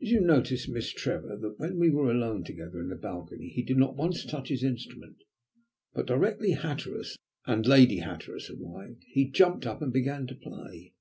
Did you notice, Miss Trevor, that when we were alone together in the balcony he did not once touch his instrument, but directly Hatteras and Lady Hatteras arrived, he jumped up and began to play?"